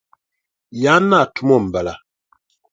Yaan naa tumo m-bala.